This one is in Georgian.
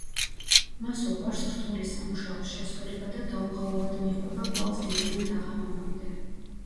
მას უყვარს რთული სამუშაოს შესრულება და დაუღალავად მიჰყვება კვალს დილიდან დაღამებამდე.